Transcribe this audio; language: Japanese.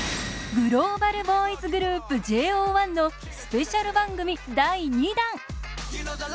グローバルボーイズグループＪＯ１のスペシャル番組第２弾！